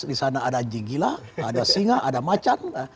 di sana ada anjing gila ada singa ada macan